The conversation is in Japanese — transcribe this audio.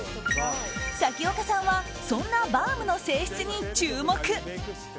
咲丘さんはそんなバームの性質に注目。